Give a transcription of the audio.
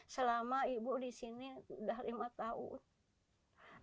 selama ibu di sini sudah lima tahun